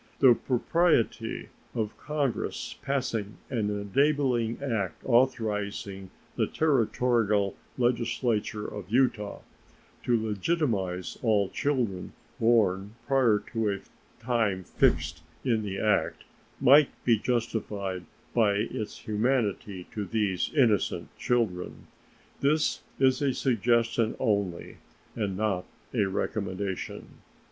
The propriety of Congress passing an enabling act authorizing the Territorial legislature of Utah to legitimize all children born prior to a time fixed in the act might be justified by its humanity to these innocent children. This is a suggestion only, and not a recommendation.